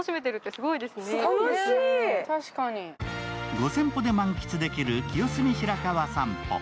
５０００歩で満喫できる清澄庭園さんぽ。